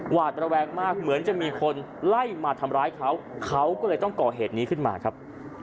หวาดระแวงมากเหมือนจะมีคนไล่มาทำร้ายเขาเขาก็เลยต้องก่อเหตุนี้ขึ้นมาครับ